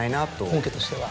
本家としては。